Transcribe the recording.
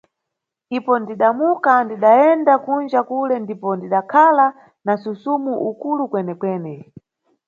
Ipo ndidamuka, ndidayenda kunja kule ndipo ndidakhala na msusumo ukulu kwene-kwene.